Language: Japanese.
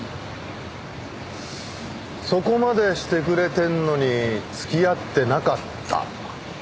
そこまでしてくれてるのに付き合ってなかった。